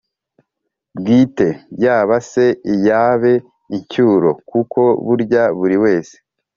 bwite, yaba se iy'abe (incyuro), kuko burya buri wese